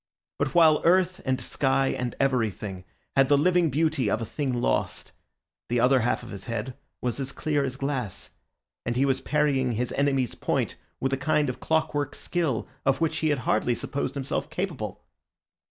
But while earth and sky and everything had the living beauty of a thing lost, the other half of his head was as clear as glass, and he was parrying his enemy's point with a kind of clockwork skill of which he had hardly supposed himself capable.